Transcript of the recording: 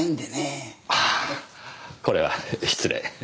ああこれは失礼。